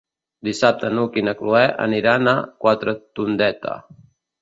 Dissabte n'Hug i na Cloè aniran a Quatretondeta.